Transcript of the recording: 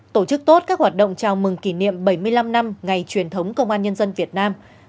tổ chức tốt các hoạt động chào mừng kỷ niệm bảy mươi năm năm ngày truyền thống công an nhân dân việt nam